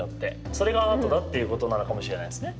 それがアートだっていうことなのかもしれないですね